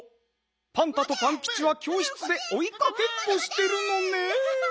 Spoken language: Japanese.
パンタとパンキチはきょうしつでおいかけっこしてるのねん。